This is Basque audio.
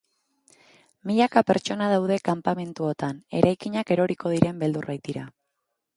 Milaka pertsona daude kanpamentuotan, eraikinak eroriko diren beldur baitira.